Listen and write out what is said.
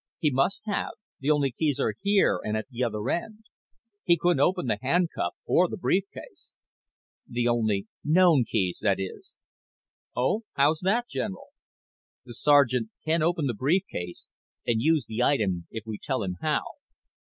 "He must have. The only keys are here and at the other end. He couldn't open the handcuff or the brief case." "The only known keys, that is." "Oh? How's that, General?" "The sergeant can open the brief case and use the item if we tell him how."